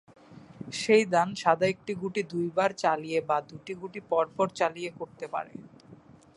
সেই দান সাদা একটি গুটি দুইবার চালিয়ে বা দুইটি গুটি পরপর চালিয়ে করতে পারে।